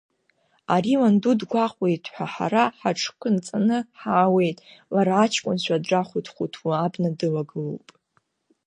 Ари ланду дгәаҟуеит ҳәа ҳара ҳаҽкынҵаны ҳаауеит, лара аҷкәынцәа драхәыҭ-хәыҭуа абна дылагылоуп!